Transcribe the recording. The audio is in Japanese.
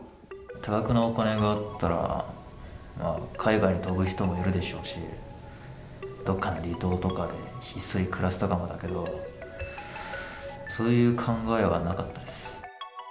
多額のお金があったら、まあ、海外に飛ぶ人もいるでしょうし、どっかに離島とかでひっそり暮らせたかもだけど、そういう考えはなかったです。